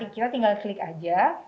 kita tinggal klik aja